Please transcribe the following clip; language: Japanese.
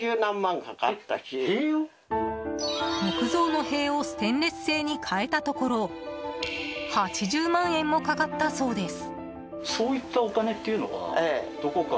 木造の塀をステンレス製に変えたところ８０万円もかかったそうです。